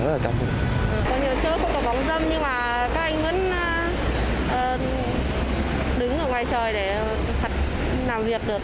có nhiều chơi cũng có bóng dâm nhưng mà các anh vẫn đứng ở ngoài trời để thật làm việc được